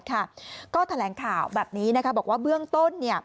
ก็แถลงข่าวแบบนี้บอกว่าเบื้องต้น